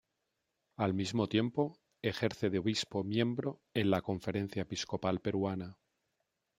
Al mismo tiempo ejerce de obispo miembro en la Conferencia Episcopal Peruana.